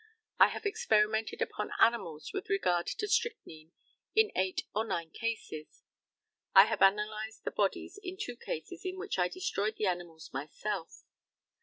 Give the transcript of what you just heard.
I have experimented upon animals with regard to strychnine in eight or nine cases. I have analysed the bodies in two cases in which I destroyed the animals myself.